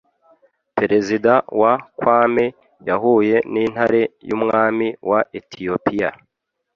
Perezida wa Kwame yahuye n’intare y’umwami wa Etiyopiya.